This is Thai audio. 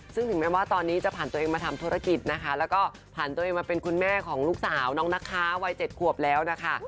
ซึ่งถึงแม้ว่าตอนนี้จะผ่านตัวเองมาทำธุรกิจนะคะแล้วก็ผ่านตัวเองมาเป็นคุณแม่ของลูกสาวน้องนะคะวัย๗ขวบแล้วนะคะ